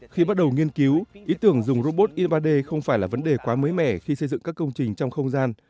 khi bắt đầu nghiên cứu ý tưởng dùng robot y ba d không phải là vấn đề quá mới mẻ khi xây dựng các công trình trong không gian